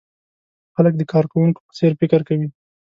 خلک د کارکوونکو په څېر فکر کوي.